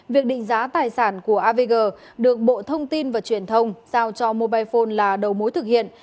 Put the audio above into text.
việc định giá tài sản của avg được bộ thông tin và truyền thông giao cho mobile phone là đầu mối thực hiện